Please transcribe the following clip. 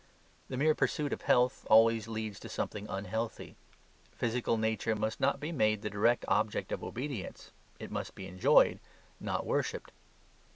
The mere pursuit of health always leads to something unhealthy. Physical nature must not be made the direct object of obedience; it must be enjoyed, not worshipped.